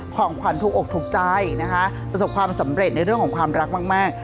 ของขวัญถูกอกถูกใจนะคะประสบความสำเร็จในเรื่องของความรักมาก